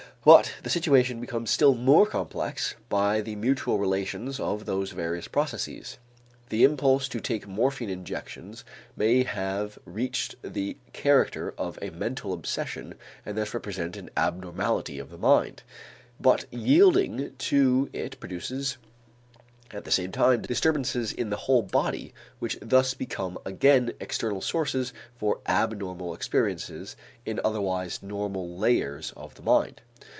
But the situation becomes still more complex by the mutual relations of those various processes. The impulse to take morphine injections may have reached the character of a mental obsession and thus represent an abnormality of the mind, but yielding to it produces at the same time disturbances in the whole body which thus become again external sources for abnormal experiences in otherwise normal layers of the mind.